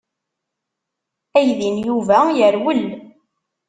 Aydi n Yuba yerwel.